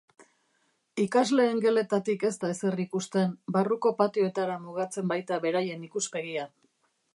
Ikasleen geletatik ez da ezer ikusten, barruko patioetara mugatzen baita beraien ikuspegia.